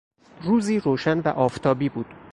روزی روشن و آفتابی بود.